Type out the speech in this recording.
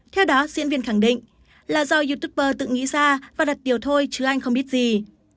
theo đó diễn viên khẳng định là do youtuber tự nghĩ ra và đặt tiểu thôi chứ anh không biết gì